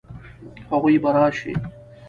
هغوی به راشي؟